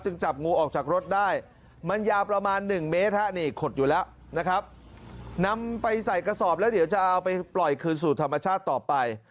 จับงูออกจากรถได้มันยาวประมาณ๑เมตรนี่ขดอยู่แล้วนะครับนำไปใส่กระสอบแล้วเดี๋ยวจะเอาไปปล่อยคืนสู่ธรรมชาติต่อไป